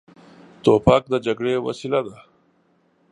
توپک د جګړې وسیله ده.